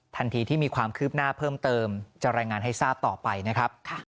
ทันทีที่มีความคืบหน้าเพิ่มเติมจะรายงานให้ทราบต่อไปนะครับ